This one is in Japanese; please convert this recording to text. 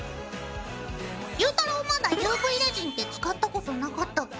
ゆうたろうまだＵＶレジンって使ったことなかったっけ？